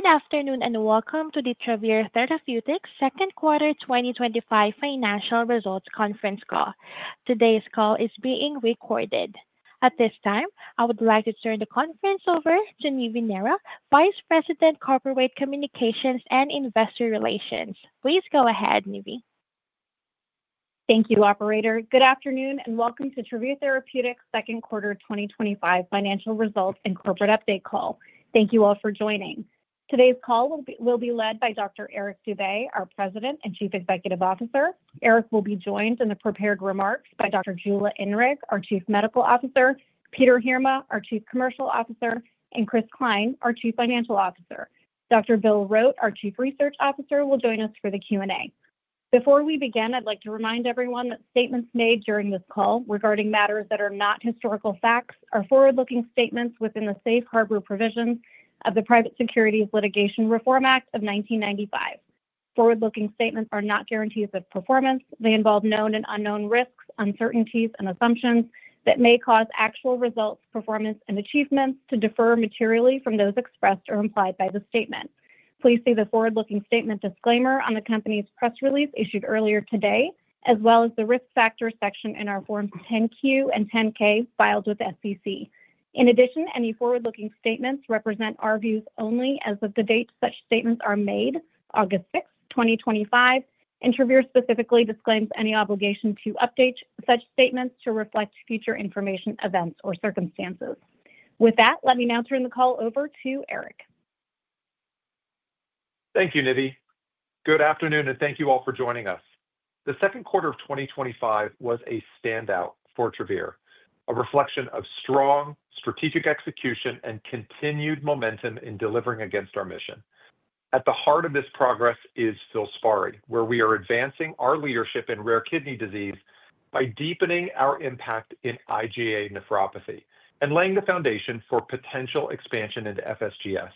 Good afternoon and welcome to the Travere Therapeutics Second Quarter 2025 Financial Results Conference Call. Today's call is being recorded. At this time, I would like to turn the conference over to Nivi Nehra, Vice President, Corporate Communications and Investor Relations. Please go ahead, Nivi. Thank you, Operator. Good afternoon and welcome to Travere Therapeutics' Second Quarter 2025 Financial Results and Corporate Update Call. Thank you all for joining. Today's call will be led by Dr. Eric Dube, our President and Chief Executive Officer. Eric will be joined in the prepared remarks by Dr. Jula Inrig, our Chief Medical Officer, Peter Heerma, our Chief Commercial Officer, and Chris Cline, our Chief Financial Officer. Dr. Bill Rote, our Chief Research Officer, will join us for the Q&A. Before we begin, I'd like to remind everyone that statements made during this call regarding matters that are not historical facts are forward-looking statements within the safe harbor provisions of the Private Securities Litigation Reform Act of 1995. Forward-looking statements are not guarantees of performance. They involve known and unknown risks, uncertainties, and assumptions that may cause actual results, performance, and achievements to differ materially from those expressed or implied by the statement. Please see the forward-looking statement disclaimer on the company's press release issued earlier today, as well as the risk factor section in our Form 10-Q and Form 10-K filed with the SEC. In addition, any forward-looking statements represent our views only as of the date such statements are made, August 6th, 2025, and Travere specifically disclaims any obligation to update such statements to reflect future information, events, or circumstances. With that, let me now turn the call over to Eric. Thank you, Nivi. Good afternoon and thank you all for joining us. The second quarter of 2025 was a standout for Travere, a reflection of strong strategic execution and continued momentum in delivering against our mission. At the heart of this progress is FILSPARI, where we are advancing our leadership in rare kidney disease by deepening our impact in IgA nephropathy and laying the foundation for potential expansion into focal segmental glomerulosclerosis.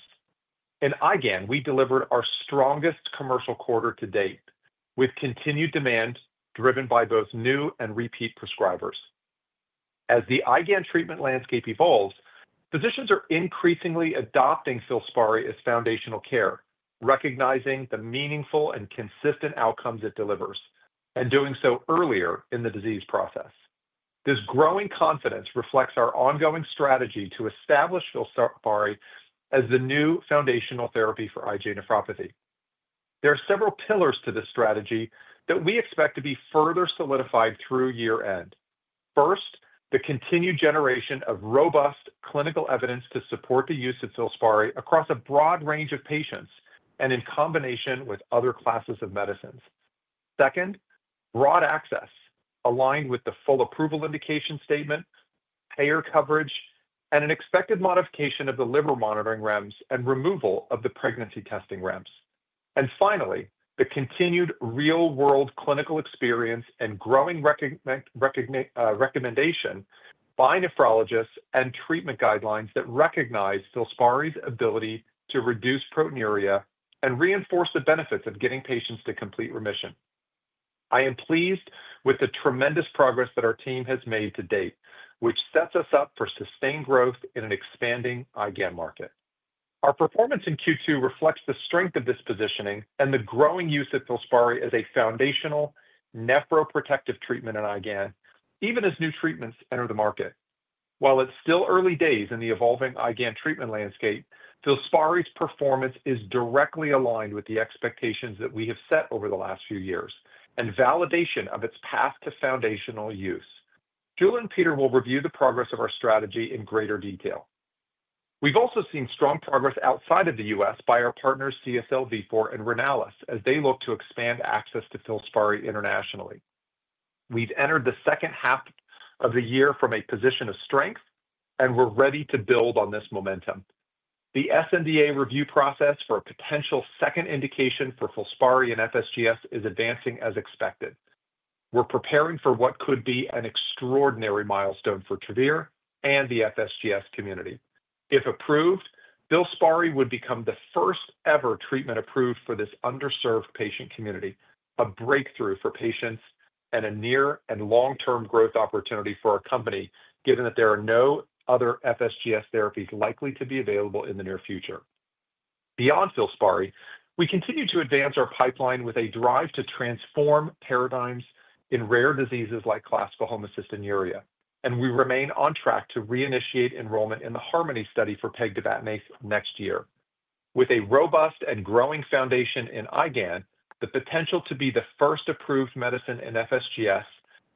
In IgA nephropathy, we delivered our strongest commercial quarter to date, with continued demand driven by both new and repeat prescribers. As the IgA nephropathy treatment landscape evolves, physicians are increasingly adopting FILSPARI as foundational care, recognizing the meaningful and consistent outcomes it delivers, and doing so earlier in the disease process. This growing confidence reflects our ongoing strategy to establish FILSPARI as the new foundational therapy for IgA nephropathy. There are several pillars to this strategy that we expect to be further solidified through year-end. First, the continued generation of robust clinical evidence to support the use of FILSPARI across a broad range of patients and in combination with other classes of medicines. Second, broad access, aligned with the full approval indication statement, payer coverage, and an expected modification of the liver monitoring REMS and removal of the pregnancy testing REMS. Finally, the continued real-world clinical experience and growing recommendation by nephrologists and treatment guidelines that recognize FILSPARI's ability to reduce proteinuria and reinforce the benefits of getting patients to complete remission. I am pleased with the tremendous progress that our team has made to date, which sets us up for sustained growth in an expanding IgA market. Our performance in Q2 reflects the strength of this positioning and the growing use of FILSPARI as a foundational nephroprotective treatment in IgA even as new treatments enter the market. While it's still early days in the evolving IgA treatment landscape, FILSPARI's performance is directly aligned with the expectations that we have set over the last few years and validation of its path to foundational use. Jula and Peter will review the progress of our strategy in greater detail. We've also seen strong progress outside of the United States by our partners CSL Vifor and Renalys as they look to expand access to FILSPARI internationally. We've entered the second half of the year from a position of strength, and we're ready to build on this momentum. The sNDA review process for a potential second indication for FILSPARI in FSGS is advancing as expected. We're preparing for what could be an extraordinary milestone for Travere and the FSGS community. If approved, FILSPARI would become the first ever treatment approved for this underserved patient community, a breakthrough for patients, and a near and long-term growth opportunity for our company, given that there are no other FSGS therapies likely to be available in the near future. Beyond FILSPARI, we continue to advance our pipeline with a drive to transform paradigms in rare diseases like classical homocystinuria, and we remain on track to reinitiate enrollment in the HARMONY Study for pegtibatinase next year. With a robust and growing foundation in IgA the potential to be the first approved medicine in FSGS,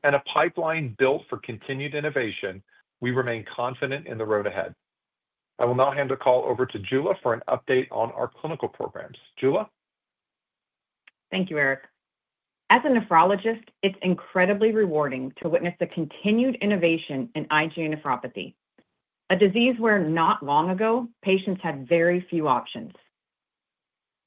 and a pipeline built for continued innovation, we remain confident in the road ahead. I will now hand the call over to Jula for an update on our clinical programs. Jula. Thank you, Eric. As a nephrologist, it's incredibly rewarding to witness the continued innovation in IgA nephropathy, a disease where not long ago patients had very few options.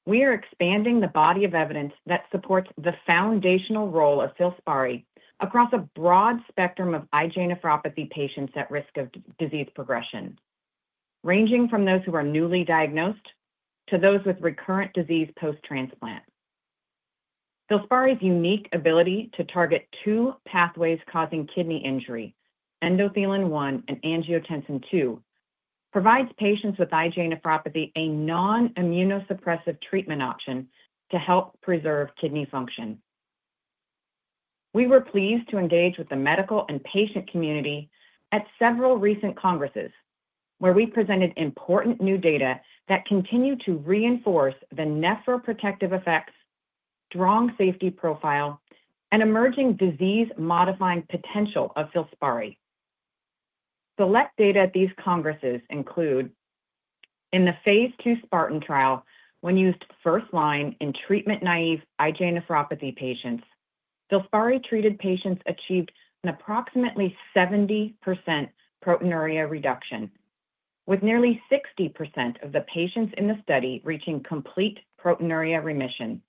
We are expanding the body of evidence that supports the foundational role of FILSPARI across a broad spectrum of IgA nephropathy patients at risk of disease progression, ranging from those who are newly diagnosed to those with recurrent disease post-transplant. FILSPARI's unique ability to target two pathways causing kidney injury, endothelin-1 and angiotensin- II, provides patients with IgA nephropathy a non-immunosuppressive treatment option to help preserve kidney function. We were pleased to engage with the medical and patient community at several recent congresses, where we presented important new data that continue to reinforce the nephroprotective effects, strong safety profile, and emerging disease-modifying potential of FILSPARI. Select data at these congresses include: in the phase II SPARTAN trial, when used first-line in treatment-naive IgA nephropathy patients, FILSPARI-treated patients achieved an approximately 70% proteinuria reduction, with nearly 60% of the patients in the study reaching complete proteinuria remission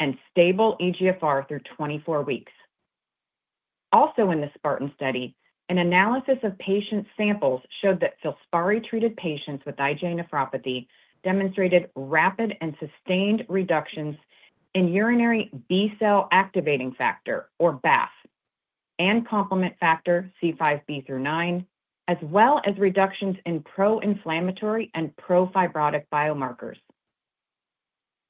and stable eGFR through 24 weeks. Also, in the SPARTAN study, an analysis of patient samples showed that FILSPARI-treated patients with IgA nephropathy demonstrated rapid and sustained reductions in urinary B-cell activating factor, or BAFF, and complement factor C5b through C9b, as well as reductions in pro-inflammatory and pro-fibrotic biomarkers.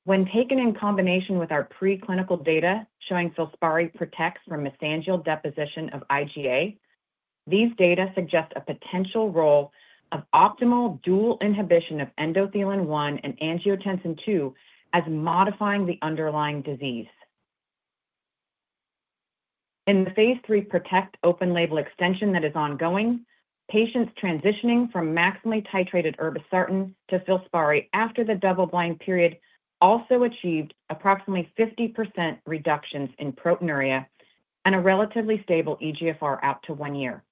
When taken in combination with our preclinical data showing FILSPARI protects from mesangial deposition of IgA, these data suggest a potential role of optimal dual inhibition of endothelin-1 and angiotensin-II as modifying the underlying disease. In the phase III PROTECT open-label extension that is ongoing, patients transitioning from maximally titrated irbesartan to FILSPARI after the double-blind period also achieved approximately 50% reductions in proteinuria and a relatively stable eGFR up to one year.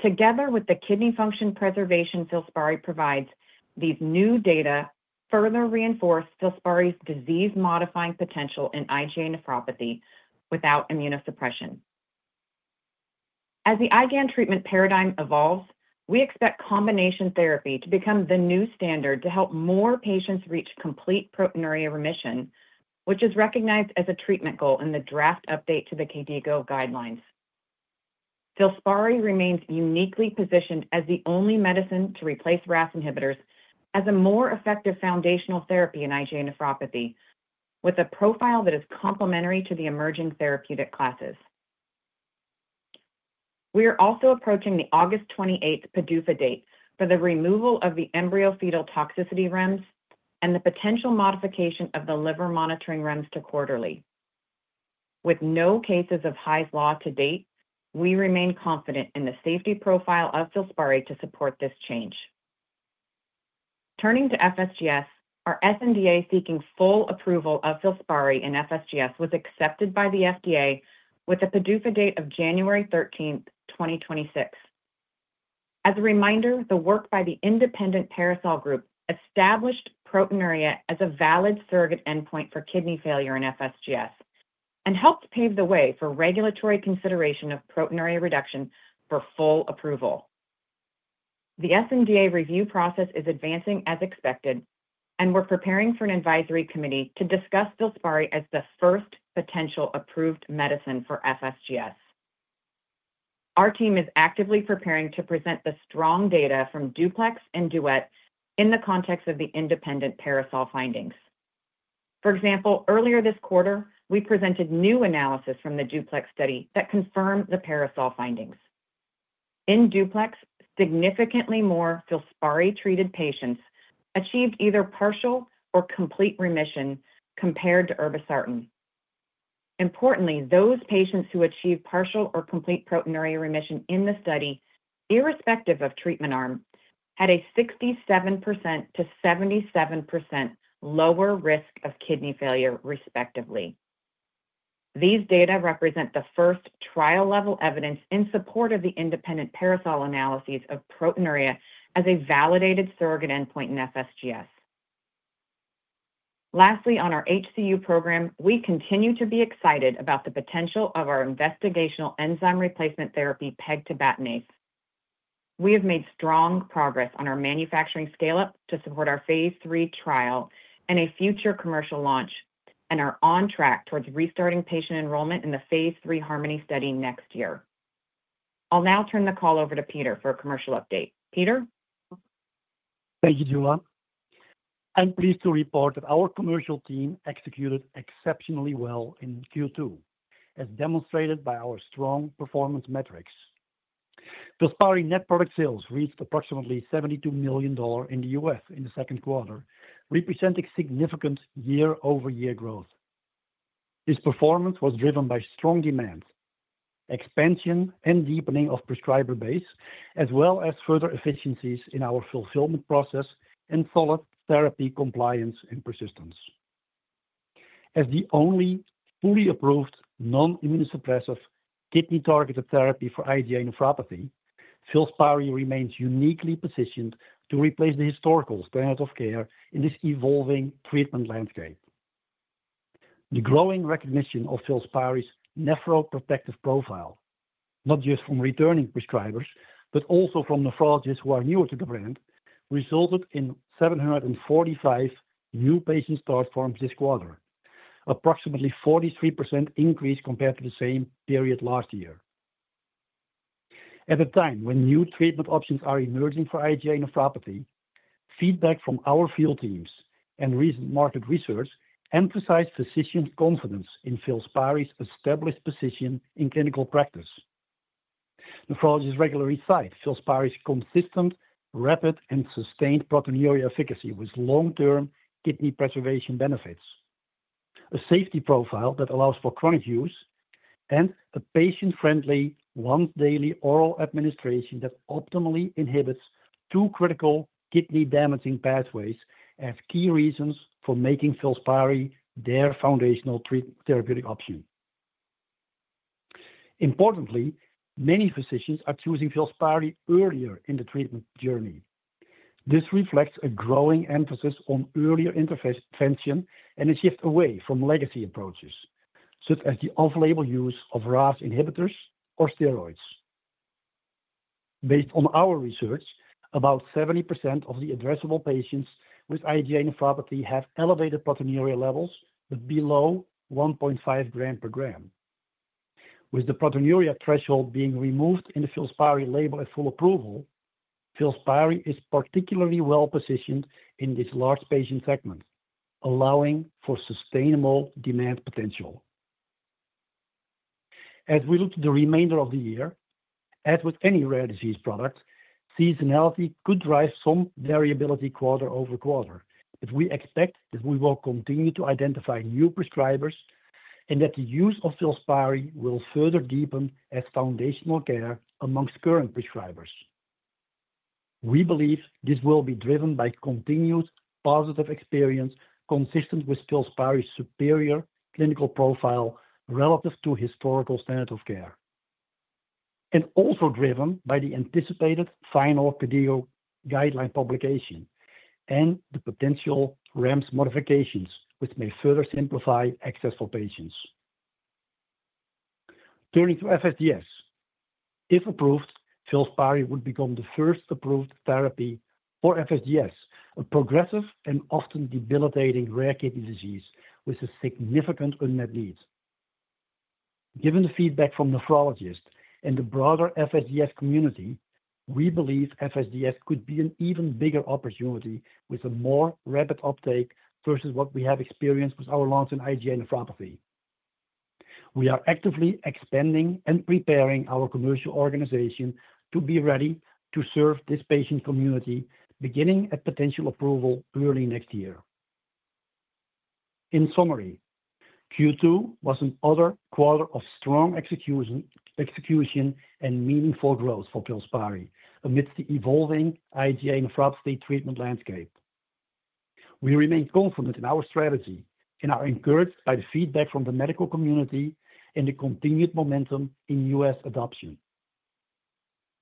Together with the kidney function preservation FILSPARI provides, these new data further reinforce FILSPARI's disease-modifying potential in IgA nephropathy without immunosuppression. As the IgA treatment paradigm evolves, we expect combination therapy to become the new standard to help more patients reach complete proteinuria remission, which is recognized as a treatment goal in the draft update to the KDIGO guidelines. FILSPARI remains uniquely positioned as the only medicine to replace RAS inhibitors as a more effective foundational therapy in IgA nephropathy, with a profile that is complementary to the emerging therapeutic classes. We are also approaching the August 28th PDUFA date for the removal of the embryofetal toxicity REMS and the potential modification of the liver monitoring REMS to quarterly. With no cases of Hy's law to date, we remain confident in the safety profile of FILSPARI to support this change. Turning to FSGS, our sNDA seeking full approval of FILSPARI in FSGS was accepted by the FDA with a PDUFA date of January 13, 2026. As a reminder, the work by the independent PARASOL Group established proteinuria as a valid surrogate endpoint for kidney failure in FSGS and helped pave the way for regulatory consideration of proteinuria reduction for full approval. The sNDA review process is advancing as expected, and we're preparing for an advisory committee to discuss FILSPARI as the first potential approved medicine for FSGS. Our team is actively preparing to present the strong data from DUPLEX and DUET in the context of the independent PARASOL findings. For example, earlier this quarter, we presented new analysis from the DUPLEX study that confirmed the PARASO; findings. In DUPLEX, significantly more FILSPARI-treated patients achieved either partial or complete remission compared to irbesartan. Importantly, those patients who achieved partial or complete proteinuria remission in the study, irrespective of treatment arm, had a 67%-77% lower risk of kidney failure, respectively. These data represent the first trial-level evidence in support of the independent PARASOL analyses of proteinuria as a validated surrogate endpoint in FSGS. Lastly, on our HCU program, we continue to be excited about the potential of our investigational enzyme replacement therapy pegtibatinase. We have made strong progress on our manufacturing scale-up to support our phase III trial and a future commercial launch, and are on track towards restarting patient enrollment in the phase III Harmony study next year. I'll now turn the call over to Peter for a commercial update. Peter? Thank you, Jula. I'm pleased to report that our commercial team executed exceptionally well in Q2, as demonstrated by our strong performance metrics. FILSPARI net product sales reached approximately $72 million in the U.S. in the second quarter, representing significant year-over-year growth. This performance was driven by strong demand, expansion, and deepening of the prescriber base, as well as further efficiencies in our fulfillment process and follow-up therapy compliance and persistence. As the only fully approved non-immunosuppressive kidney-targeted therapy for IgA nephropathy, FILSPARI remains uniquely positioned to replace the historical standard of care in this evolving treatment landscape. The growing recognition of FILSPARI's nephroprotective profile, not just from returning prescribers but also from nephrologists who are new to the brand, resulted in 745 new patient start forms this quarter, an approximately 43% increase compared to the same period last year. At a time when new treatment options are emerging for IgA nephropathy, feedback from our field teams and recent market research emphasized physicians' confidence in FILSPARI's established position in clinical practice. Nephrologists regularly cite FILSPARI's consistent, rapid, and sustained proteinuria efficacy with long-term kidney preservation benefits, a safety profile that allows for chronic use, and a patient-friendly once-daily oral administration that optimally inhibits two critical kidney-damaging pathways as key reasons for making FILSPARI their foundational therapeutic option. Importantly, many physicians are choosing FILSPARI earlier in the treatment journey. This reflects a growing emphasis on earlier intervention and a shift away from legacy approaches, such as the off-label use of RAS inhibitors or steroids. Based on our research, about 70% of the addressable patients with IgA nephropathy have elevated proteinuria levels below 1.5 g per gram. With the proteinuria threshold being removed in the FILSPARI label at full approval, FILSPARI is particularly well positioned in this large patient segment, allowing for sustainable demand potential. As we look to the remainder of the year, as with any rare disease product, seasonality could drive some variability quarter-over-quarter, but we expect that we will continue to identify new prescribers and that the use of FILSPARI will further deepen as foundational care amongst current prescribers. We believe this will be driven by continued positive experience consistent with FILSPARI's superior clinical profile relative to historical standard of care, and also driven by the anticipated final PDO guideline publication and the potential REMS modifications, which may further simplify access for patients. Turning to FSGS, if approved, FILSPARI would become the first approved therapy for FSGS, a progressive and often debilitating rare kidney disease with a significant unmet need. Given the feedback from nephrologists and the broader FSGS community, we believe FSGS could be an even bigger opportunity with a more rapid uptake versus what we have experienced with our launch in IgA nephropathy. We are actively expanding and preparing our commercial organization to be ready to serve this patient community, beginning at potential approval early next year. In summary, Q2 was another quarter of strong execution and meaningful growth for FILSPARI amidst the evolving IgA nephropathy treatment landscape. We remain confident in our strategy and are encouraged by the feedback from the medical community and the continued momentum in U.S. adoption.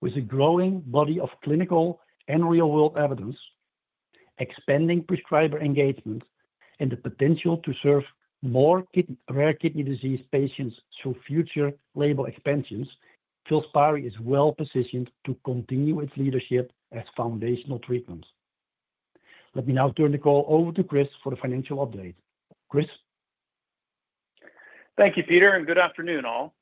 With a growing body of clinical and real-world evidence, expanding prescriber engagement, and the potential to serve more rare kidney disease patients through future label expansions, FILSPARI is well positioned to continue its leadership as foundational treatment. Let me now turn the call over to Chris for the financial update. Chris? Thank you, Peter, and good afternoon all.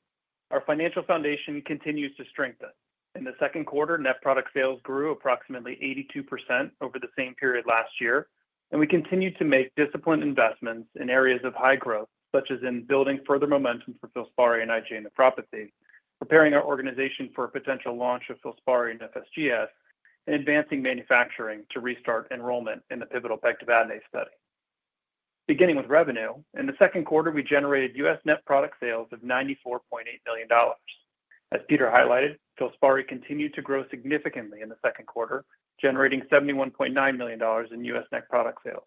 Our financial foundation continues to strengthen. In the second quarter, net product sales grew approximately 82% over the same period last year, and we continue to make disciplined investments in areas of high growth, such as in building further momentum for FILSPARI in IgA nephropathy, preparing our organization for a potential launch of FILSPARI in FSGS, and advancing manufacturing to restart enrollment in the pivotal pegtibatinase study. Beginning with revenue, in the second quarter, we generated U.S. net product sales of $94.8 million. As Peter highlighted, FILSPARI continued to grow significantly in the second quarter, generating $71.9 million in U.S. net product sales.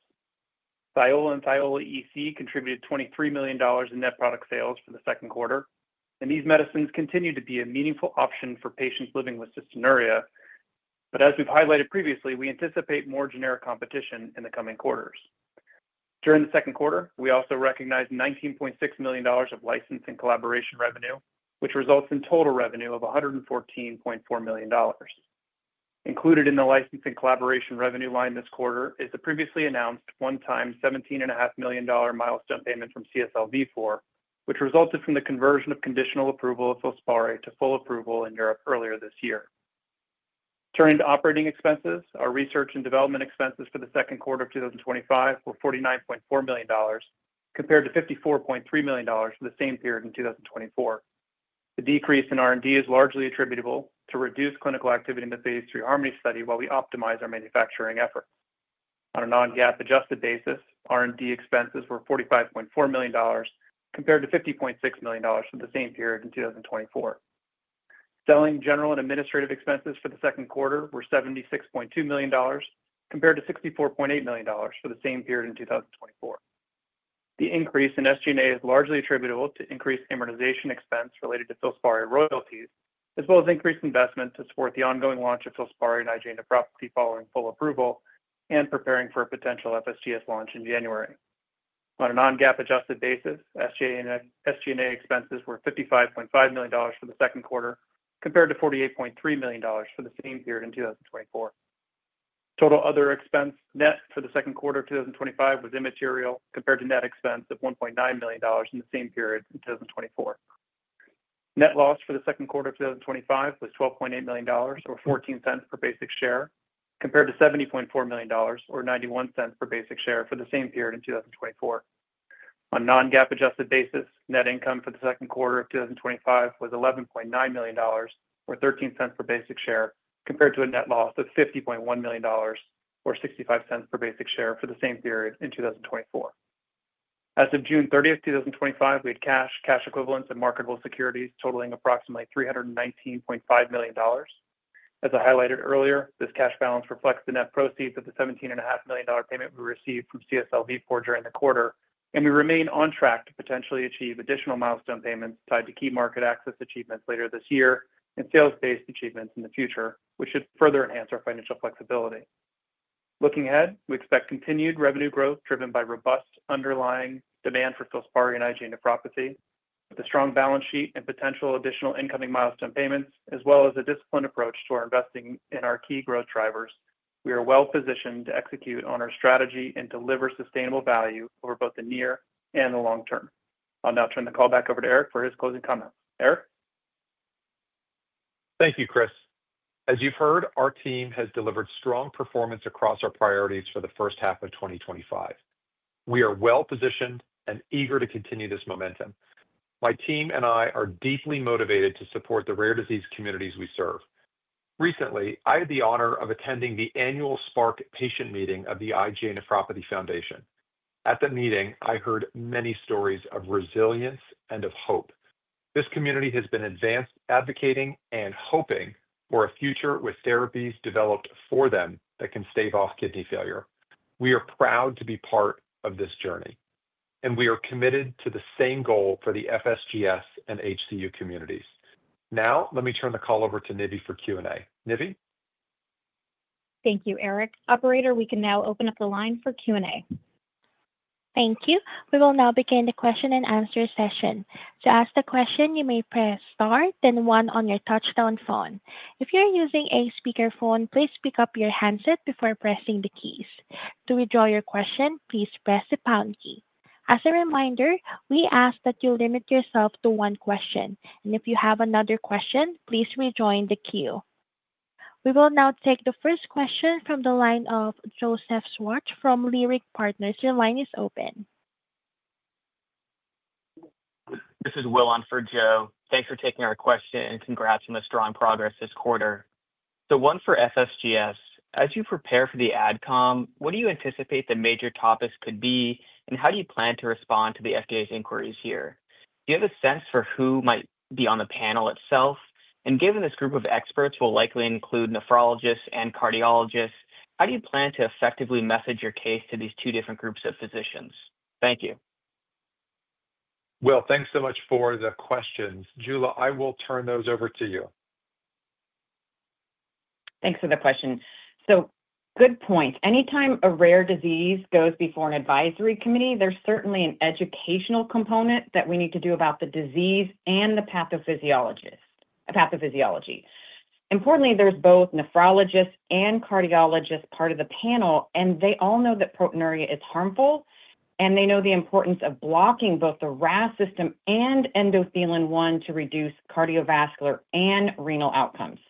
THIOLA and THIOLA EC contributed $23 million in net product sales for the second quarter, and these medicines continue to be a meaningful option for patients living with cystinuria, but as we've highlighted previously, we anticipate more generic competition in the coming quarters. During the second quarter, we also recognized $19.6 million of license and collaboration revenue, which results in total revenue of $114.4 million. Included in the license and collaboration revenue line this quarter is the previously announced one-time $17.5 million milestone payment from CSL Vifor, which resulted from the conversion of conditional approval of FILSPARI to full approval in Europe earlier this year. Turning to operating expenses, our research and development expenses for the second quarter of 2025 were $49.4 million compared to $54.3 million for the same period in 2024. The decrease in R&D is largely attributable to reduced clinical activity in the phase III HARMONY Study while we optimized our manufacturing efforts. On a non-GAAP-adjusted basis, R&D expenses were $45.4 million compared to $50.6 million for the same period in 2024. Selling, general and administrative expenses for the second quarter were $76.2 million compared to $64.8 million for the same period in 2024. The increase in SG&A is largely attributable to increased immunization expense related to FILSPARI royalties, as well as increased investment to support the ongoing launch of FILSPARI in IgA nephropathy following full approval and preparing for a potential FSGS launch in January. On a non-GAAP-adjusted basis, SG&A expenses were $55.5 million for the second quarter compared to $48.3 million for the same period in 2024. Total other expense, net, for the second quarter of 2025 was immaterial compared to net expense of $1.9 million in the same period in 2024. Net loss for the second quarter of 2025 was $12.8 million, or $0.14 per basic share, compared to $70.4 million, or $0.91 per basic share, for the same period in 2024. On a non-GAAP-adjusted basis, net income for the second quarter of 2025 was $11.9 million, or $0.13 per basic share, compared to a net loss of $50.1 million, or $0.65 per basic share, for the same period in 2024. As of June 30th, 2025, we had cash, cash equivalents, and marketable securities totaling approximately $319.5 million. As I highlighted earlier, this cash balance reflects the net proceeds of the $17.5 million payment we received from CSL Vifor during the quarter, and we remain on track to potentially achieve additional milestone payments tied to key market access achievements later this year and sales-based achievements in the future, which should further enhance our financial flexibility. Looking ahead, we expect continued revenue growth driven by robust underlying demand for FILSPARI in IgA nephropathy, with a strong balance sheet and potential additional incoming milestone payments, as well as a disciplined approach to our investing in our key growth drivers. We are well positioned to execute on our strategy and deliver sustainable value over both the near and the long term. I'll now turn the call back over to Eric for his closing comments. Eric? Thank you, Chris. As you've heard, our team has delivered strong performance across our priorities for the first half of 2025. We are well positioned and eager to continue this momentum. My team and I are deeply motivated to support the rare disease communities we serve. Recently, I had the honor of attending the annual Spark Patient Meeting of the IgA Nephropathy Foundation. At the meeting, I heard many stories of resilience and of hope. This community has been advocating and hoping for a future with therapies developed for them that can stave off kidney failure. We are proud to be part of this journey, and we are committed to the same goal for the FSGS and HCU communities. Now, let me turn the call over to Nivi for Q&A. Nivi? Thank you, Eric. Operator, we can now open up the line for Q&A. Thank you. We will now begin the question and answer session. To ask a question, you may press star, then one on your touch-tone phone. If you're using a speakerphone, please pick up your handset before pressing the keys. To withdraw your question, please press the pound key. As a reminder, we ask that you limit yourself to one question, and if you have another question, please rejoin the queue. We will now take the first question from the line of Joseph Swartz from Leerink Partners. Your line is open. This is Will on for Joe. Thanks for taking our question and congrats on this strong progress this quarter. One for FSGS, as you prepare for the ADCOM, what do you anticipate the major topics could be, and how do you plan to respond to the FDA's inquiries here? Do you have a sense for who might be on the panel itself? Given this group of experts will likely include nephrologists and cardiologists, how do you plan to effectively message your case to these two different groups of physicians? Thank you. Will, thanks so much for the questions. Jula, I will turn those over to you. Thanks for the question. Good point. Anytime a rare disease goes before an advisory committee, there's certainly an educational component that we need to do about the disease and the pathophysiology. Importantly, there's both nephrologists and cardiologists part of the panel, and they all know that proteinuria is harmful, and they know the importance of blocking both the RAS system and endothelin-1 to reduce cardiovascular and renal outcomes.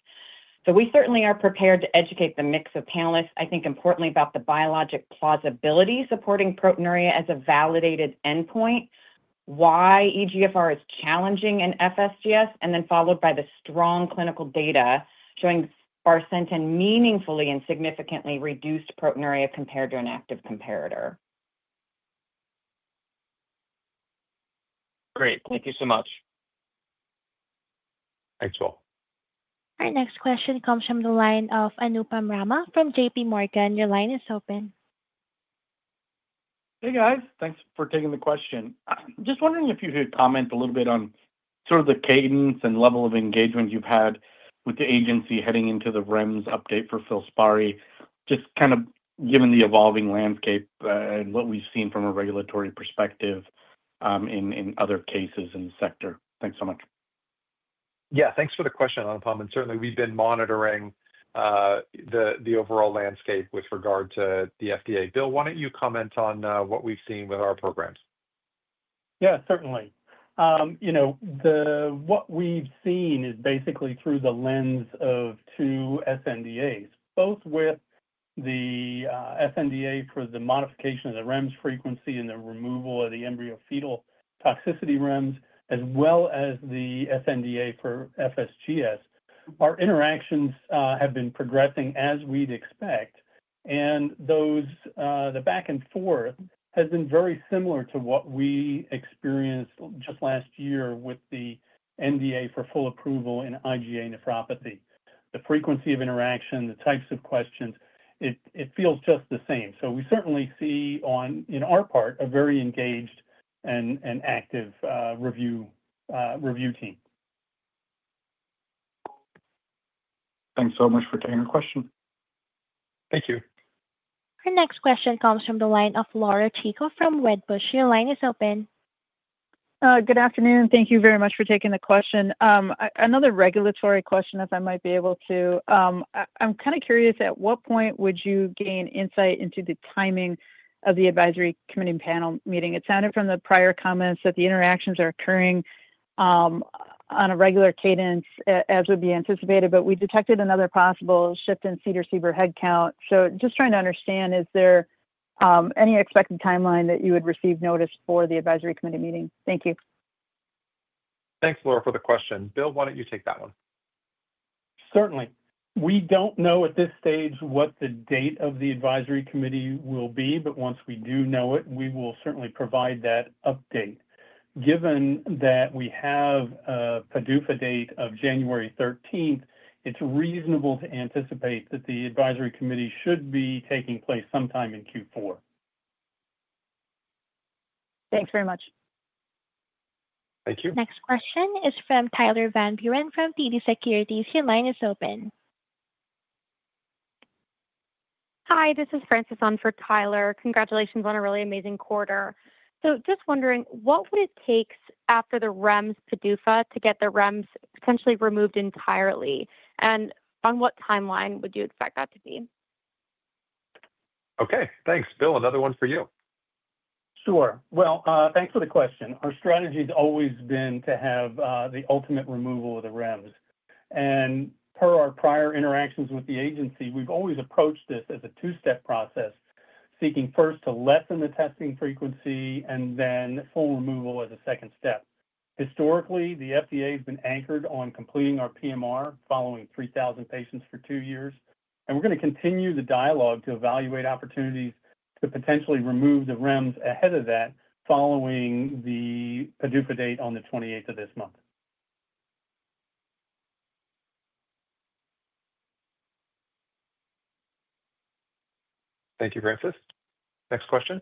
We certainly are prepared to educate the mix of panelists. I think importantly about the biologic plausibility supporting proteinuria as a validated endpoint, why eGFR is challenging in FSGS, and then followed by the strong clinical data showing FILSPARI meaningfully and significantly reduced proteinuria compared to an active comparator. Great, thank you so much. Thanks, Will. All right, next question comes from the line of Anupam Rama from JPMorgan. Your line is open. Hey guys, thanks for taking the question. Just wondering if you could comment a little bit on the cadence and level of engagement you've had with the agency heading into the REMS update for FILSPARI, given the evolving landscape and what we've seen from a regulatory perspective in other cases in the sector. Thanks so much. Yeah, thanks for the question, Anupam. Certainly, we've been monitoring the overall landscape with regard to the FDA. Bill, why don't you comment on what we've seen with our programs? Yeah, certainly. What we've seen is basically through the lens of two sNDAs, both with the sNDA for the modification of the REMS frequency and the removal of the embryofetal toxicity REMS, as well as the sNDA for FSGS. Our interactions have been progressing as we'd expect, and the back and forth has been very similar to what we experienced just last year with the NDA for full approval in IgA nephropathy. The frequency of interaction, the types of questions, it feels just the same. We certainly see, on our part, a very engaged and active review team. Thanks so much for taking our question. Thank you. Our next question comes from the line of Laura Chico from Wedbush. Your line is open. Good afternoon. Thank you very much for taking the question. Another regulatory question, if I might be able to. I'm kind of curious at what point you would gain insight into the timing of the advisory committee panel meeting. It sounded from the prior comments that the interactions are occurring on a regular cadence as would be anticipated, but we detected another possible shift in CDER reviewer headcount. Just trying to understand, is there any expected timeline that you would receive notice for the advisory committee meeting? Thank you. Thanks, Laura, for the question. Bill, why don't you take that one? Certainly. We don't know at this stage what the date of the advisory committee will be, but once we do know it, we will certainly provide that update. Given that we have a PDUFA date of January 13th, it's reasonable to anticipate that the advisory committee should be taking place sometime in Q4. Thanks very much. Thank you. Next question is from Tyler Van Buren from TD Securities. Your line is open. Hi, this is Frances on for Tyler. Congratulations on a really amazing quarter. I am just wondering, what would it take after the REMS PDUFA to get the REMS essentially removed entirely, and on what timeline would you expect that to be? Okay. Thanks, Bill. Another one for you. Thank you for the question. Our strategy has always been to have the ultimate removal of the REMS. Per our prior interactions with the agency, we've always approached this as a two-step process, seeking first to lessen the testing frequency and then full removal as a second step. Historically, the FDA has been anchored on completing our PMR following 3,000 patients for two years, and we're going to continue the dialogue to evaluate opportunities to potentially remove the REMS ahead of that following the PDUFA date on the 28th of this month. Thank you, Frances. Next question.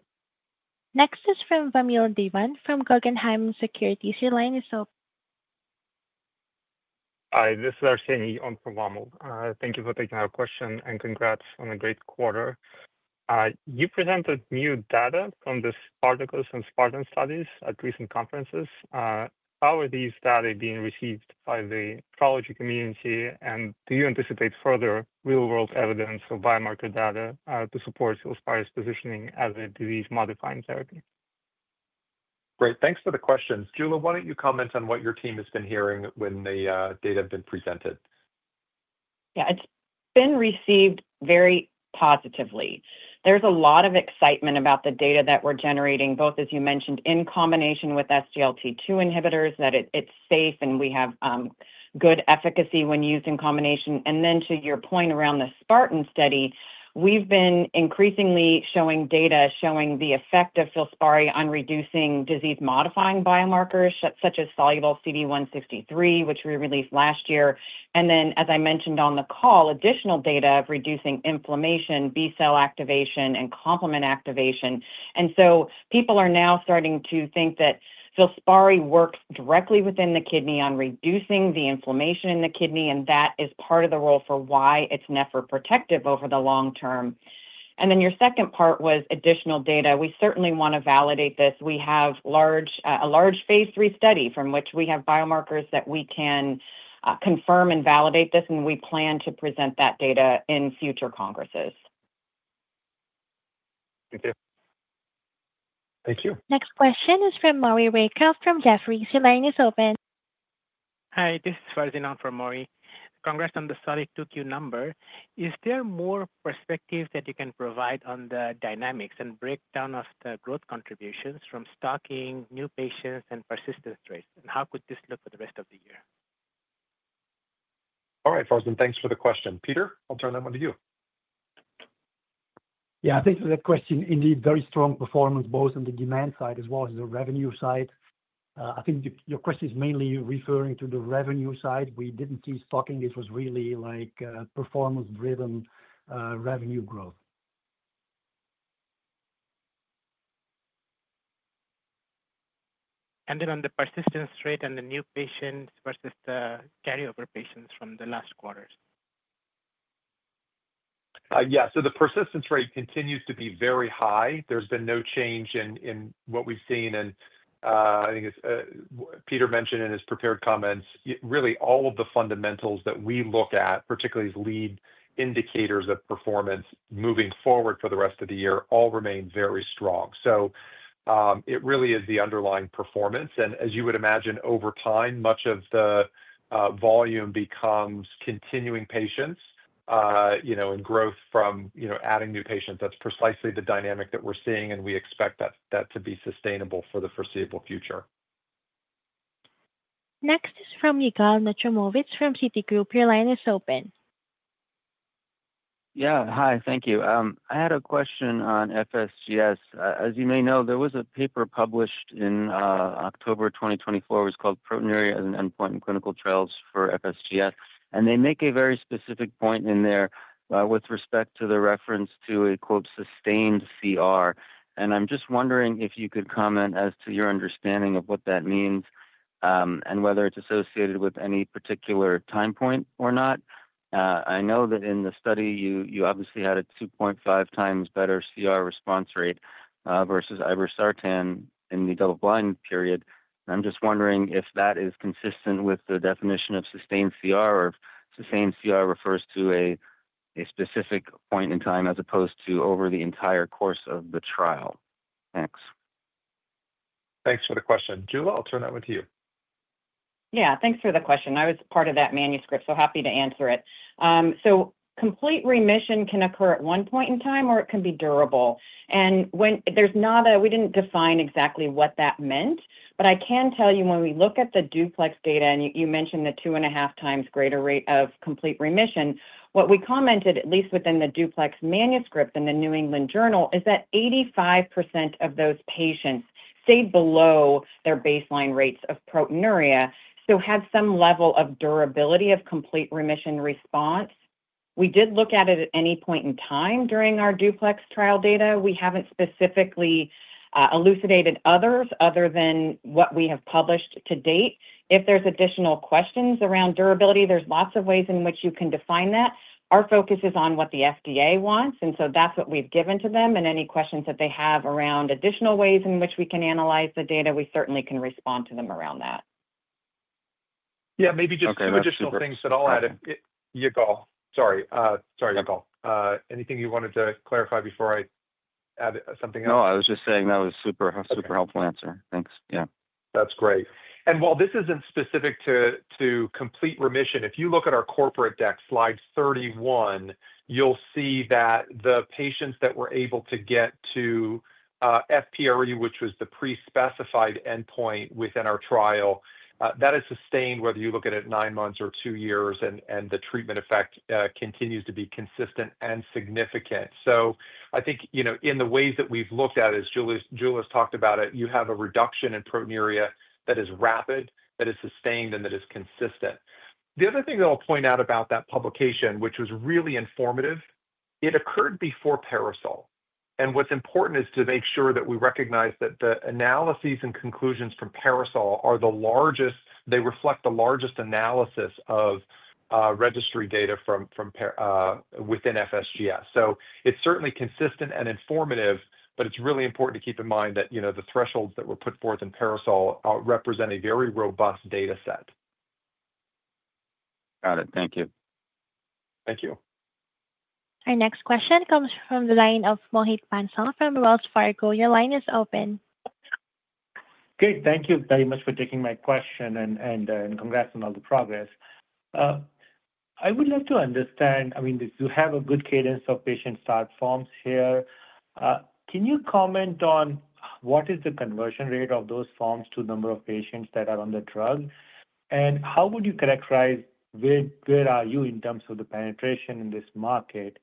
Next is from Vamil Divan from Guggenheim Securities. Your line is open. Hi, this is Arsenie on for Vamil. Thank you for taking our question and congrats on a great quarter. You presented new data from the article and SPARTAN studies at recent conferences. How are these data being received by the nephrology community, and do you anticipate further real-world evidence or biomarker data to support FILSPARI's positioning as a disease-modifying therapy? Great. Thanks for the questions. Jula, why don't you comment on what your team has been hearing when the data have been presented? Yeah, it's been received very positively. There's a lot of excitement about the data that we're generating, both, as you mentioned, in combination with SGLT2 inhibitors, that it's safe and we have good efficacy when used in combination. To your point around the SPARTAN study, we've been increasingly showing data showing the effect of FILSPARI on reducing disease-modifying biomarkers such as soluble CD163, which we released last year. As I mentioned on the call, additional data of reducing inflammation, B-cell activation, and complement activation. People are now starting to think that FILSPARI works directly within the kidney on reducing the inflammation in the kidney, and that is part of the role for why it's nephroprotective over the long term. Your second part was additional data. We certainly want to validate this. We have a large Phase 3 study from which we have biomarkers that we can confirm and validate this, and we plan to present that data in future congresses. Thank you. Next question is from Maury Raycroft from Jefferies. Your line is open. Hi, this is Farzina from Maury. Congrats on the solid 2Q number. Is there more perspective that you can provide on the dynamics and breakdown of the growth contributions from stocking, new patients, and persistence rates, and how could this look for the rest of the year? All right, Farzina, thanks for the question. Peter, I'll turn that one to you. Yeah, thanks for that question. Indeed, very strong performance both on the demand side as well as the revenue side. I think your question is mainly referring to the revenue side. We didn't see stocking. This was really like performance-driven revenue growth. On the persistence rate and the new patients versus the carryover patients from the last quarters. Yeah, the persistence rate continues to be very high. There's been no change in what we've seen, and I think as Peter mentioned in his prepared comments, really all of the fundamentals that we look at, particularly as lead indicators of performance moving forward for the rest of the year, all remain very strong. It really is the underlying performance. As you would imagine, over time, much of the volume becomes continuing patients, you know, and growth from adding new patients. That's precisely the dynamic that we're seeing, and we expect that to be sustainable for the foreseeable future. Next is from from Yigal Nochomovich Citigroup. Your line is open. Yeah, hi, thank you. I had a question on FSGS. As you may know, there was a paper published in October 2024. It was called "Proteinuria as an Endpoint in Clinical Trials for FSGS." They make a very specific point in there with respect to the reference to a quote "sustained CR." I'm just wondering if you could comment as to your understanding of what that means and whether it's associated with any particular time point or not. I know that in the study, you obviously had a 2.5x better CR response rate versus irbesartan in the double-blind period. I'm just wondering if that is consistent with the definition of sustained CR, or if sustained CR refers to a specific point in time as opposed to over the entire course of the trial. Thanks. Thanks for the question. Jula, I'll turn that one to you. Yeah, thanks for the question. I was part of that manuscript, so happy to answer it. Complete remission can occur at one point in time, or it can be durable. We didn't define exactly what that meant, but I can tell you when we look at the DUPLEX data, and you mentioned the 2.5x greater rate of complete remission, what we commented, at least within the DUPLEX manuscript in the New England Journal, is that 85% of those patients stayed below their baseline rates of proteinuria, so had some level of durability of complete remission response. We did look at it at any point in time during our DUPLEX trial data. We haven't specifically elucidated others other than what we have published to date. If there's additional questions around durability, there are lots of ways in which you can define that. Our focus is on what the FDA wants, and that's what we've given to them. Any questions that they have around additional ways in which we can analyze the data, we certainly can respond to them around that. Maybe just additional things that I'll add. Yigal, sorry. Sorry, Yigal. Anything you wanted to clarify before I add something else? That was a super, super helpful answer. Thanks. Yeah. That's great. While this isn't specific to complete remission, if you look at our corporate deck, slide 31, you'll see that the patients that were able to get to FPRU, which was the pre-specified endpoint within our trial, that is sustained whether you look at it at nine months or two years, and the treatment effect continues to be consistent and significant. I think, in the ways that we've looked at, as Jula's talked about it, you have a reduction in proteinuria that is rapid, that is sustained, and that is consistent. The other thing that I'll point out about that publication, which was really informative, it occurred before PARASOL. What's important is to make sure that we recognize that the analyses and conclusions from PARASOL are the largest, they reflect the largest analysis of registry data from within FSGS. It's certainly consistent and informative, but it's really important to keep in mind that the thresholds that were put forth in Paracel represent a very robust data set. Got it. Thank you. Thank you. Our next question comes from the line of Mohit Bansal from Wells Fargo. Your line is open. Okay, thank you very much for taking my question, and congrats on all the progress. I would love to understand, do you have a good cadence of patient start forms here? Can you comment on what is the conversion rate of those forms to the number of patients that are on the drug, and how would you characterize where you are in terms of the penetration in this market,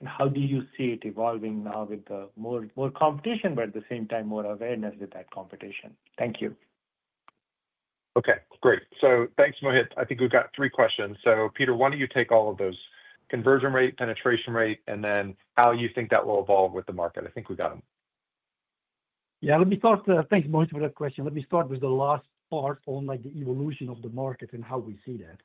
and how do you see it evolving now with more competition, but at the same time, more awareness with that competition? Thank you. Okay, great. Thanks, Mohit. I think we've got three questions. Peter, why don't you take all of those: conversion rate, penetration rate, and then how you think that will evolve with the market? I think we got them. Yeah, let me start. Thanks, Mohit, for that question. Let me start with the last part on the evolution of the market and how we see that.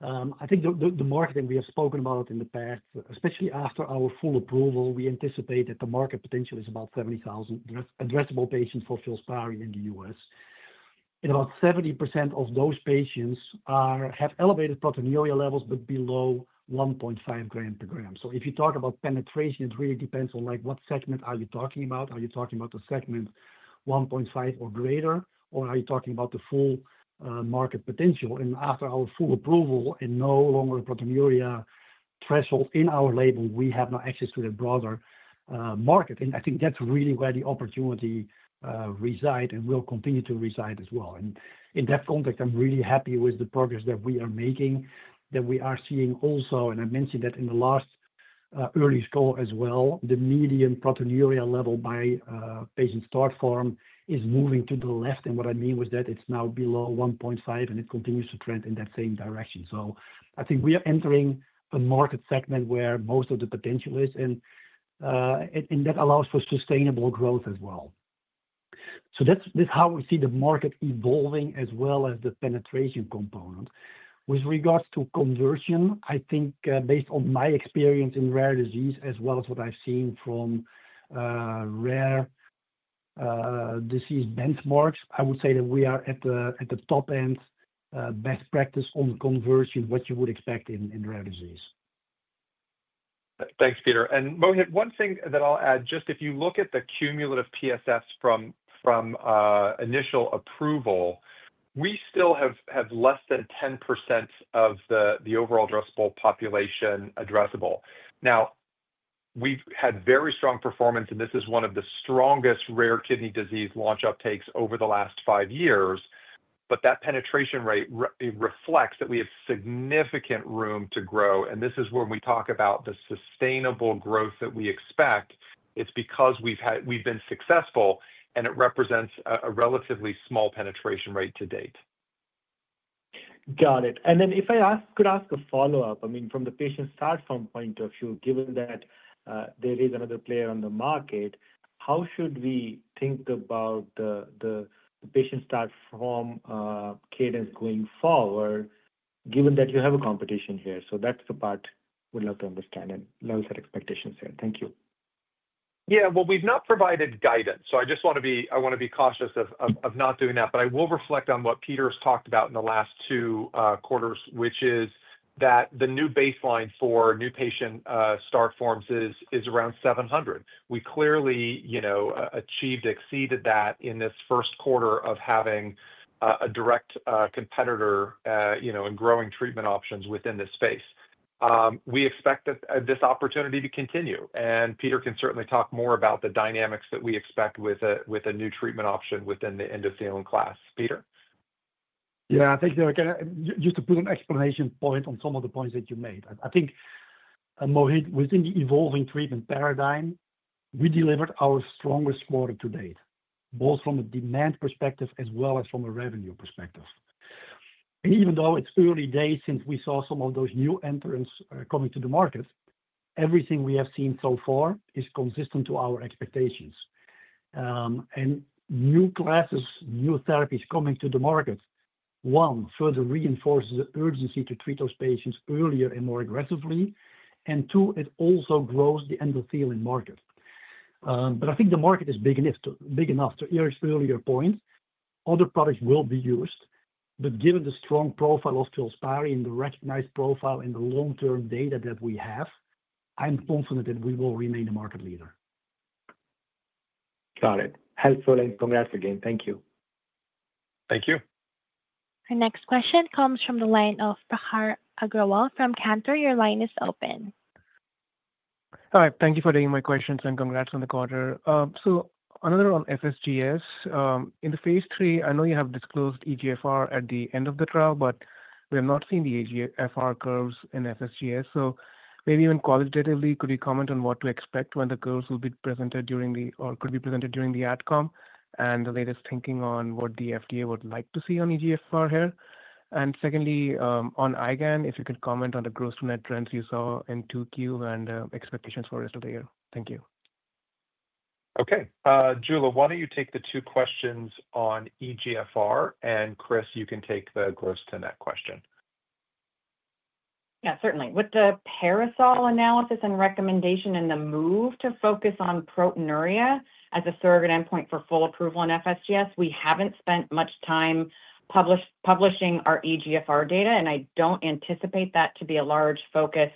I think the market we have spoken about in the past, especially after our full approval, we anticipate that the market potential is about 70,000 addressable patients for FILSPARI in the U.S. About 70% of those patients have elevated proteinuria levels, but below 1.5 g per gram. If you talk about penetration, it really depends on what segment you are talking about. Are you talking about the segment 1.5 or greater, or are you talking about the full market potential? After our full approval and no longer a proteinuria threshold in our label, we have now access to the broader market. I think that's really where the opportunity resides and will continue to reside as well. In that context, I'm really happy with the progress that we are making, that we are seeing also, and I mentioned that in the last earliest call as well, the median proteinuria level by patient start form is moving to the left. What I mean is that it's now below 1.5 g and it continues to trend in that same direction. I think we are entering a market segment where most of the potential is, and that allows for sustainable growth as well. That's how we see the market evolving as well as the penetration component. With regards to conversion, I think based on my experience in rare disease, as well as what I've seen from rare disease benchmarks, I would say that we are at the top end best practice on conversion, what you would expect in rare disease. Thanks, Peter. Mohit, one thing that I'll add, just if you look at the cumulative PSFs from initial approval, we still have less than 10% of the overall addressable population addressable. We've had very strong performance, and this is one of the strongest rare kidney disease launch uptakes over the last five years. That penetration rate reflects that we have significant room to grow. This is when we talk about the sustainable growth that we expect. It's because we've been successful, and it represents a relatively small penetration rate to date. Got it. If I could ask a follow-up, I mean, from the patient start form point of view, given that there is another player on the market, how should we think about the patient start form cadence going forward, given that you have a competition here? That's the part I would love to understand and level set expectations here. Thank you. Yeah, we've not provided guidance. I just want to be cautious of not doing that, but I will reflect on what Peter has talked about in the last two quarters, which is that the new baseline for new patient start forms is around 700. We clearly achieved, exceeded that in this first quarter of having a direct competitor and growing treatment options within this space. We expect this opportunity to continue, and Peter can certainly talk more about the dynamics that we expect with a new treatment option within the endothelin class. Peter? Yeah, thank you, Eric. Just to put an exclamation point on some of the points that you made, I think, Mohit, within the evolving treatment paradigm, we delivered our strongest quarter to date, both from a demand perspective as well as from a revenue perspective. Even though it's early days since we saw some of those new entrants coming to the market, everything we have seen so far is consistent to our expectations. New classes, new therapies coming to the market, one, further reinforces the urgency to treat those patients earlier and more aggressively, and two, it also grows the endothelin market. I think the market is big enough to, to your earlier point, other products will be used, but given the strong profile of FILSPARI and the recognized profile and the long-term data that we have, I'm confident that we will remain the market leader. Got it. Helpful and congrats again. Thank you. Thank you. Our next question comes from the line of Prakhar Agrawal from Cantor, your line is open. Hi, thank you for taking my questions and congrats on the quarter. Another on FSGS. In the phase III, I know you have disclosed eGFR at the end of the trial, but we have not seen the eGFR curves in FSGS. Maybe even qualitatively, could you comment on what to expect when the curves will be presented during the, or could be presented during the ADCOM, and the latest thinking on what the FDA would like to see on eGFR here? Secondly, on IgAN, if you could comment on the growth to net trends you saw in 2Q and expectations for the rest of the year. Thank you. Okay. Jula, why don't you take the two questions on eGFR, and Chris, you can take the growth to net question. Yeah, certainly. With the PARASOL analysis and recommendation and the move to focus on proteinuria as a surrogate endpoint for full approval in FSGS, we haven't spent much time publishing our eGFR data, and I don't anticipate that to be a large focus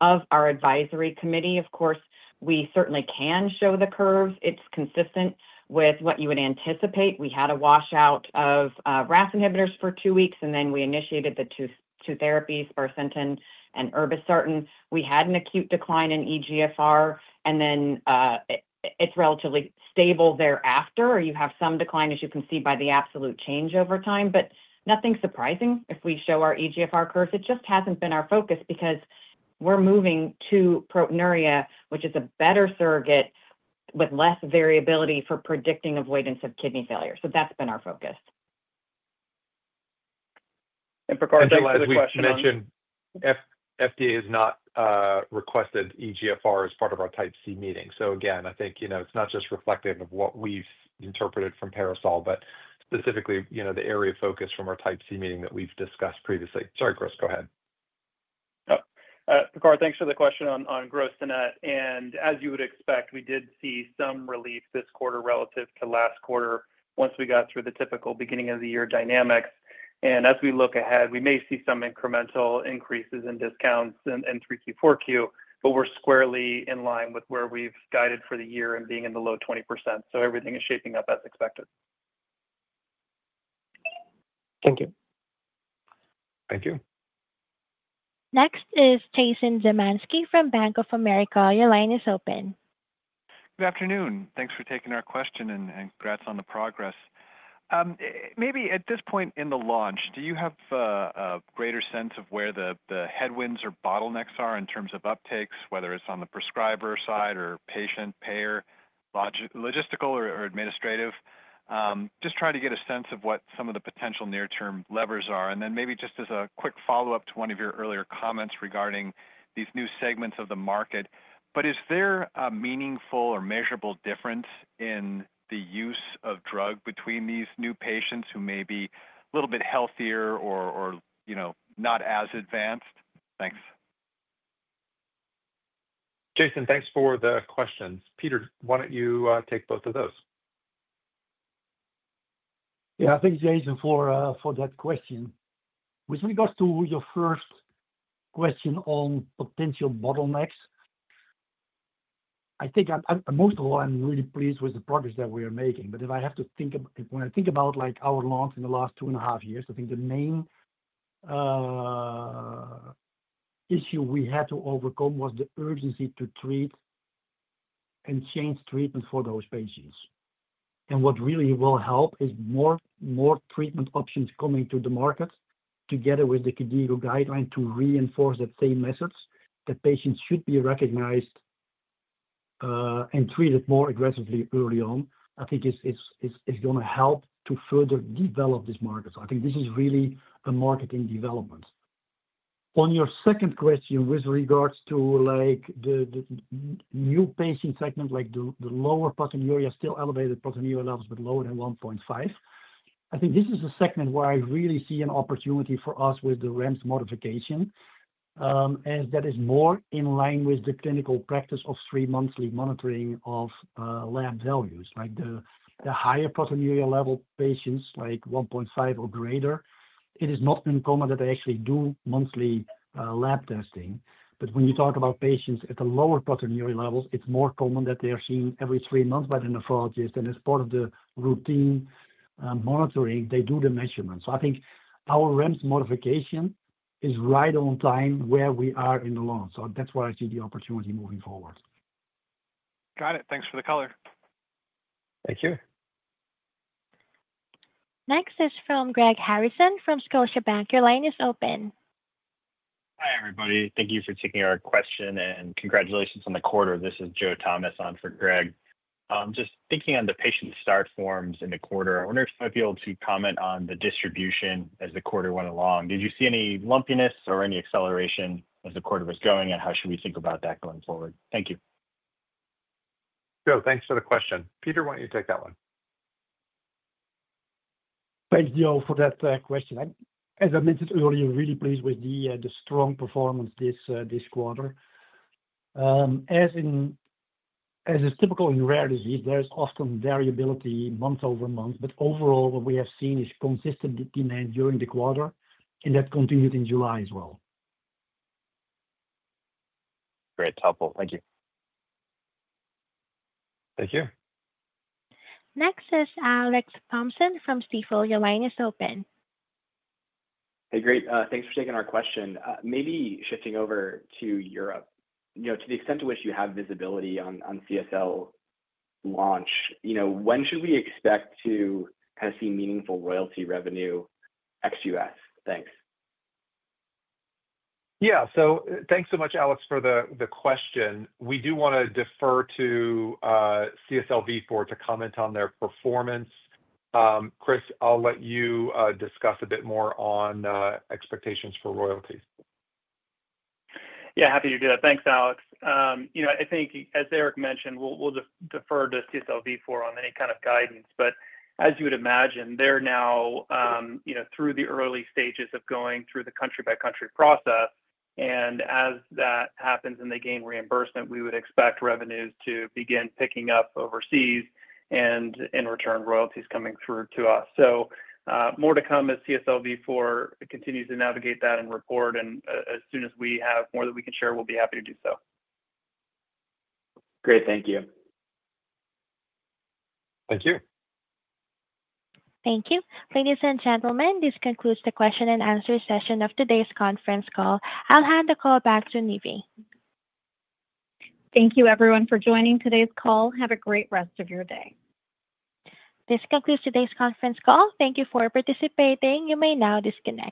of our advisory committee. Of course, we certainly can show the curves. It's consistent with what you would anticipate. We had a washout of RAS inhibitors for two weeks, and then we initiated the two therapies, FILSPARI and irbesartan. We had an acute decline in eGFR, and then it's relatively stable thereafter, or you have some decline, as you can see by the absolute change over time, but nothing surprising if we show our eGFR curves. It just hasn't been our focus because we're moving to proteinuria, which is a better surrogate with less variability for predicting avoidance of kidney failure. That's been our focus. Prakhar, I realize we mentioned FDA has not requested EGFR as part of our Type C meeting. I think it's not just reflective of what we've interpreted from PARASOL but specifically the area of focus from our Type C meeting that we've discussed previously. Sorry, Chris, go ahead. Prakhar, thanks for the question on growth to net. As you would expect, we did see some relief this quarter relative to last quarter once we got through the typical beginning of the year dynamics. As we look ahead, we may see some incremental increases in discounts in 3Q, 4Q, but we're squarely in line with where we've guided for the year and being in the low 20%. Everything is shaping up as expected. Thank you. Thank you. Next is Jason Zemansky from Bank of America. Your line is open. Good afternoon. Thanks for taking our question and congrats on the progress. Maybe at this point in the launch, do you have a greater sense of where the headwinds or bottlenecks are in terms of uptakes, whether it's on the prescriber side or patient, payer, logistical, or administrative? Just trying to get a sense of what some of the potential near-term levers are. Just as a quick follow-up to one of your earlier comments regarding these new segments of the market, is there a meaningful or measurable difference in the use of drug between these new patients who may be a little bit healthier or, you know, not as advanced? Thanks. Jason, thanks for the questions. Peter, why don't you take both of those? Yeah, thanks, Jason, for that question. With regards to your first question on potential bottlenecks, I think, most of all, I'm really pleased with the progress that we are making. If I have to think, when I think about our launch in the last two and a half years, I think the main issue we had to overcome was the urgency to treat and change treatment for those patients. What really will help is more treatment options coming to the market together with the KDIGO guideline to reinforce the same methods that patients should be recognized and treated more aggressively early on. I think it's going to help to further develop this market. I think this is really a market in development. On your second question, with regards to the new patient segment, like the lower proteinuria, still elevated proteinuria levels but lower than 1.5 g. I think this is a segment where I really see an opportunity for us with the REMS modification, as that is more in line with the clinical practice of three monthly monitoring of lab values. Like the higher proteinuria level patients, like 1.5 g or greater, it is not uncommon that they actually do monthly lab testing. When you talk about patients at the lower proteinuria levels, it's more common that they are seen every three months by the nephrologist, and as part of the routine monitoring, they do the measurements. I think our REMS modification is right on time where we are in the launch. That's where I see the opportunity moving forward. Got it. Thanks for the color. Thank you. Next is from Greg Harrison from Scotiabank. Your line is open. Hi, everybody. Thank you for taking our question and congratulations on the quarter. This is Joe Thomas on for Greg. I'm just thinking on the patient start forms in the quarter. I wonder if you'd be able to comment on the distribution as the quarter went along. Did you see any lumpiness or any acceleration as the quarter was going, and how should we think about that going forward? Thank you. Joe, thanks for the question. Peter, why don't you take that one? Thanks, Joe, for that question. As I mentioned earlier, I'm really pleased with the strong performance this quarter. As is typical in rare disease, there is often variability month-over-month, but overall, what we have seen is consistent demand during the quarter, and that continued in July as well. Great. Helpful. Thank you. Thank you. Next is Alex Thompson from Stifel. Your line is open. Great, thanks for taking our question. Maybe shifting over to Europe, to the extent to which you have visibility on CSL Vifor launch, when should we expect to see meaningful royalty revenue ex-U.S.? Thanks. Yeah, thanks so much, Alex, for the question. We do want to defer to CSL Vifor to comment on their performance. Chris, I'll let you discuss a bit more on expectations for royalties. Yeah, happy to do that. Thanks, Alex. I think, as Eric mentioned, we'll defer to CSL Vifor on any kind of guidance. As you would imagine, they're now through the early stages of going through the country-by-country process. As that happens and they gain reimbursement, we would expect revenues to begin picking up overseas and in return, royalties coming through to us. More to come as CSL Vifor continues to navigate that and report. As soon as we have more that we can share, we'll be happy to do so. Great, thank you. Thank you. Thank you. Ladies and gentlemen, this concludes the question-and-answer session of today's conference call. I'll hand the call back to Nivi. Thank you, everyone, for joining today's call. Have a great rest of your day. This concludes today's conference call. Thank you for participating. You may now disconnect.